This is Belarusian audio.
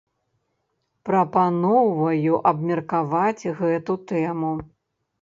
Прапаноўваю абмеркаваць гэту тэму.